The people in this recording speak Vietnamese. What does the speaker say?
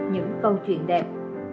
những câu chuyện đẹp